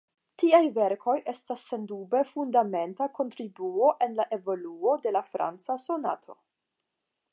Tiaj verkoj estas sendube fundamenta kontribuo en la evoluo de la franca sonato.